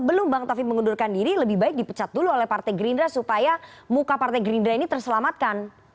sebelum bang taufik mengundurkan diri lebih baik dipecat dulu oleh partai gerindra supaya muka partai gerindra ini terselamatkan